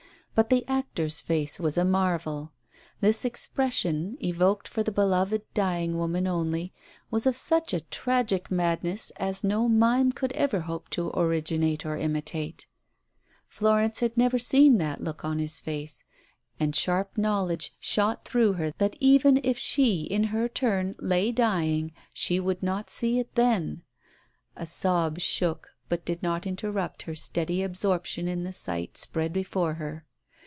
But the actor's face was a marvel. This expression, evoked for the beloved dying woman only, was of such a tragic madness as no mime could ever hope to originate or imitate. Florence had never Digitized by Google THE OPERATION 67 seen that look on his face, and sharp knowledge shot through her that even if she in her turn lay dying she would not see it then. A sob shook, but did not inter rupt her steady absorption in the sight spread before her.